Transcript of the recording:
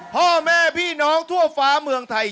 พ่อแม่พี่น้องทั่วฟ้าเมืองไทย